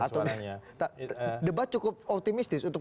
atau debat cukup optimistis untuk